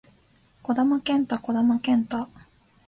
児玉幹太児玉幹太